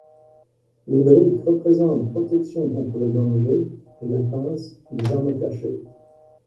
Les briques représentent protection contre le danger et la pince, les armes cachées.